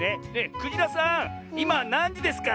クジラさんいまなんじですか？